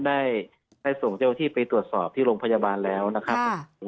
ได้ส่งเจ้าที่ไปตรวจสอบที่โรงพยาบาลแล้วนะครับ